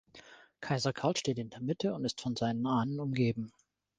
Kaiser Karl steht in der Mitte und ist von seinen Ahnen umgeben.